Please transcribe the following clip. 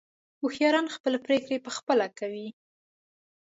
هوښیاران خپلې پرېکړې په خپله کوي.